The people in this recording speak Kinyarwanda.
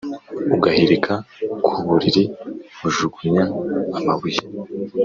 Ugahilika ku bulili nkujugunya amabuye